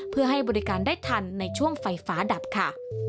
เพื่อให้บริการได้ทันในช่วงไฟฟ้าดับค่ะ